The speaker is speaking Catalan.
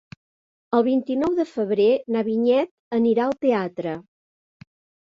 El vint-i-nou de febrer na Vinyet anirà al teatre.